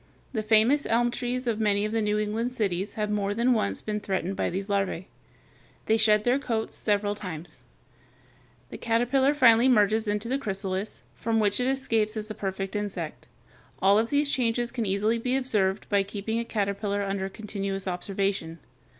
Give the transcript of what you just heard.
The famous elm trees of many of the New England cities have more than once been threatened by these larvæ. They shed their coats several times. The caterpillar finally merges into the chrysalis, from which it escapes as the perfect insect. All of these changes can easily be observed by keeping a caterpillar under continuous observation.